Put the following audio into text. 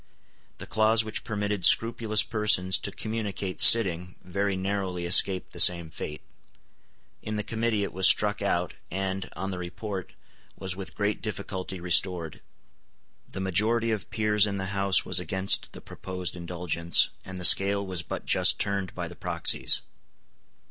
The clause which permitted scrupulous persons to communicate sitting very narrowly escaped the same fate. In the Committee it was struck out, and, on the report, was with great difficulty restored. The majority of peers in the House was against the proposed indulgence, and the scale was but just turned by the proxies.